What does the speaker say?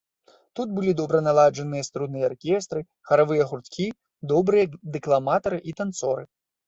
Тут былі добра наладжаныя струнныя аркестры, харавыя гурткі, добрыя дэкламатары і танцоры.